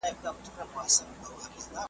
پر بهار یې را بللي تور پوځونه د زاغانو ,